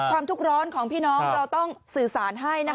ทุกร้อนของพี่น้องเราต้องสื่อสารให้นะคะ